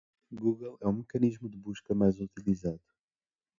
Google é o mecanismo de busca mais utilizado.